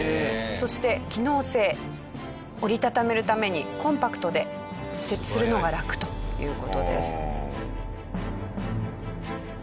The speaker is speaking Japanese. そして機能性折り畳めるためにコンパクトで設置するのが楽という事です。